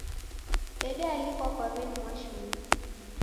Dedealikwa kwa w'eni Mwashumbe.